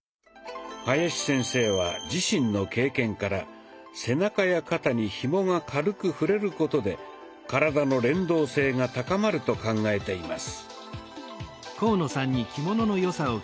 林先生は自身の経験から背中や肩にひもが軽く触れることで体の連動性が高まると考えています。